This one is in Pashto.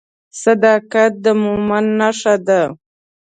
صداقت د مؤمن نښه ده.